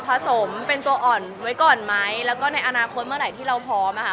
สมเป็นตัวอ่อนไว้ก่อนไหมแล้วก็ในอนาคตเมื่อไหร่ที่เราพร้อมอะค่ะ